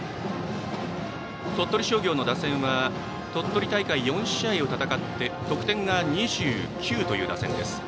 鳥取商業の打線は鳥取大会４試合を戦って得点が２９という打線です。